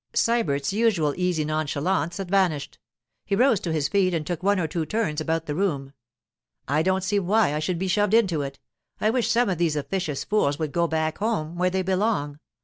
Sybert's usual easy nonchalance had vanished. He rose to his feet and took one or two turns about the room. 'I don't see why I should be shoved into it—I wish some of these officious fools would go back home, where they belong.